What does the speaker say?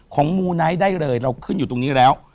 มูไนท์ได้เลยเราขึ้นอยู่ตรงนี้แล้ว